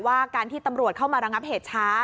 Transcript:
ว่าการที่ตำรวจเข้ามาระงับเหตุช้า